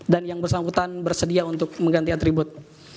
dan yang bersambutan bersedia untuk mengganti atribut